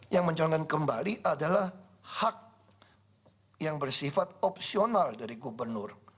yang mencalonkan kembali adalah hak yang bersifat opsional dari gubernur